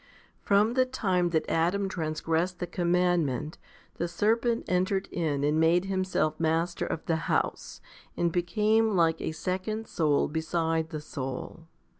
35. From the time that Adam transgressed the com mandment, the serpent entered in and made himself master of the house, and became like a second soul beside the soul.